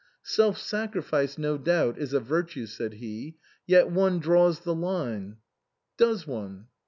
" Self sacrifice, no doubt, is a virtue," said he ;" yet one draws the line " "Does one?"